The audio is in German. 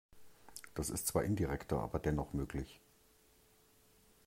Das ist zwar indirekter, aber dennoch möglich.